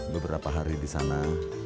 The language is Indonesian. beberapa hari disana